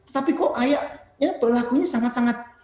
tapi kok kayak ya perlakunya sangat sangat